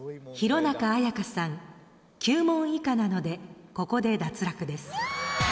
弘中綾香さん９問以下なのでここで脱落です。